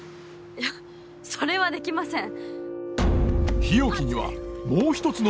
いやそれはできません。